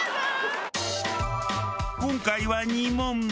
今回は２問目。